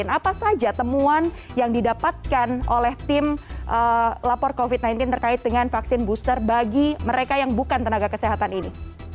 apa saja temuan yang didapatkan oleh tim lapor covid sembilan belas terkait dengan vaksin booster bagi mereka yang bukan tenaga kesehatan ini